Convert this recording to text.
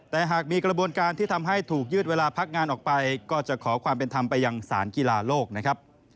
แต่หากมีกระบวนการที่ทำให้ถูกยืดเวลาพักงานออกไปก็จะขอความเป็นธรรมไปยังสารกีฬาโลกนะครับ